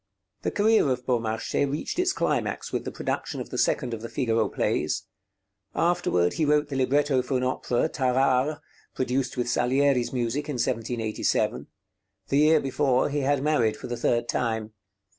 The career of Beaumarchais reached its climax with the production of the second of the Figaro plays. Afterward he wrote the libretto for an opera, 'Tarare,' produced with Salieri's music in 1787; the year before he had married for the third time.